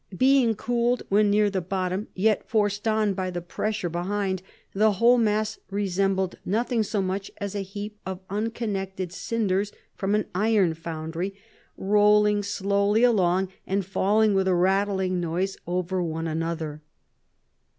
Being cooled when near the bottom, yet forced on by the pressure behind, the whole mass "resembled nothing so much as a heap of unconnected cinders from an iron foundry, rolling slowly along and falling with a rattling noise over one another."